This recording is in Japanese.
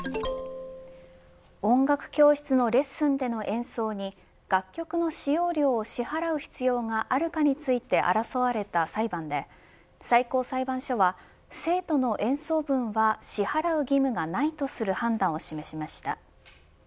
音楽教室のレッスンでの演奏に楽曲の使用料を支払う必要があるかについて争われた裁判で最高裁判所は生徒の演奏分は支払う義務がないとする判断を示しました。